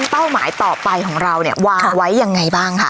หมายต่อไปของเราเนี่ยวางไว้ยังไงบ้างคะ